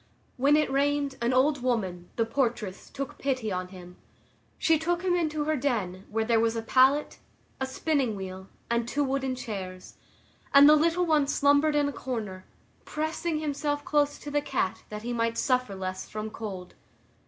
When it rained, an old woman, the portress, took pity on him; she took him into her den, where there was a pallet, a spinning wheel, and two wooden chairs, and the little one slumbered in a corner, pressing himself close to the cat that he might suffer less from cold.